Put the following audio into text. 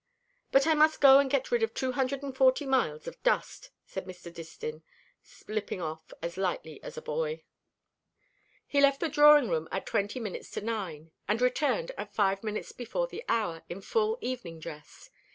But I must go and get rid of two hundred and forty miles of dust," said Mr. Distin, slipping off as lightly as a boy. He left the drawing room at twenty minutes to nine, and returned at five minutes before the hour, in full evening dress.